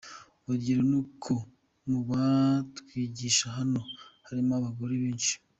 Urugero ni uko mu batwigisha hano harimo abagore benshi.